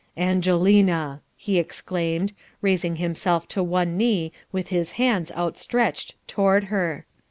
"Angelina!" he exclaimed, raising himself to one knee with his hands outstretched toward her.